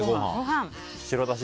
白だし